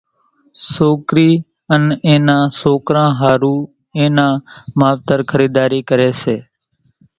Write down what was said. سوڪرِي ان اين نان سوڪران ۿارُو اين نان ماوتر خريڌارِي ڪري سي